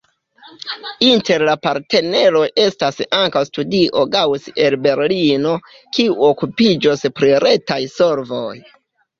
Inter la partneroj estas ankaŭ Studio Gaus el Berlino, kiu okupiĝos pri retaj solvoj.